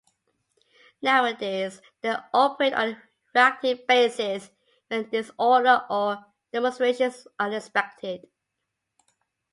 Nowadays they operate on a reactive basis when disorder or demonstrations are expected.